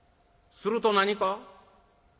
すると何か？